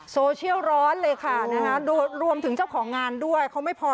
โซเชียลร้อนเลยน่ารวมถึงเจ้าของงานด้วย